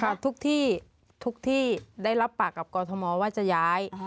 ทุกที่ทุกที่ได้รับปากกับกรทมว่าจะย้าย